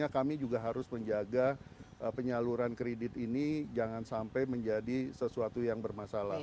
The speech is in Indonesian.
kami juga harus menjaga penyaluran kredit ini jangan sampai menjadi sesuatu yang bermasalah